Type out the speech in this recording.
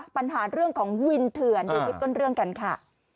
ปัญหาเรื่องของวินเถื่อนดูคลิปต้นเรื่องกันค่ะ